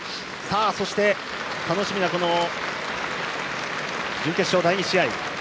そして楽しみな準決勝第２試合。